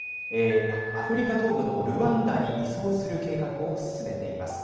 アフリカ東部のルワンダに移送する計画を進めています。